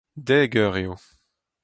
Dek eur eo.